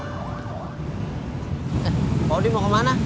pak odi mau kemana